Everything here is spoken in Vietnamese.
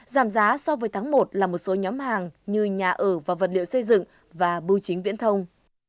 giảm giá so với tháng một là một số nhóm hàng như nhà ở và vật liệu xây dựng và bưu chính viễn thông